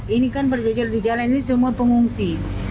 ini kan berjejer di jalan ini semua pengungsi